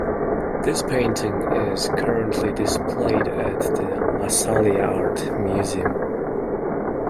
This painting is currently displayed at the La Salle Art Museum.